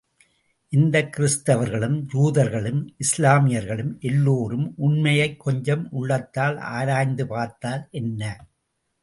இந்தக் கிறிஸ்தவர்களும், யூதர்களும், இஸ்லாமியர்களும் எல்லோரும் உண்மையைக் கொஞ்சம் உள்ளத்தால் ஆராய்ந்து பார்த்தால் என்ன?